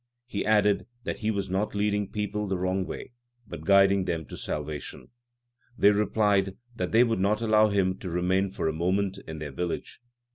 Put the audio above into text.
He added that he was not leading people the wrong way, but guiding them to salvation. They replied that they would not allow him to remain for a moment in their village.